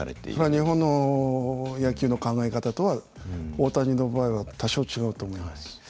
日本の野球の考え方とは大谷の場合は多少違うと思います。